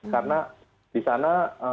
karena di sana